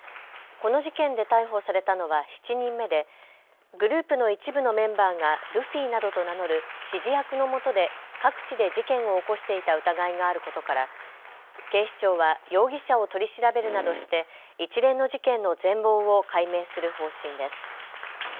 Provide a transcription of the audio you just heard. この事件で逮捕されたのは７人目でグループの一部のメンバーがルフィなどと名乗る指示役のもとで各地で事件を起こしていた疑いがあることから警視庁は容疑者を取り調べるなどして一連の事件の全貌を解明する方針です。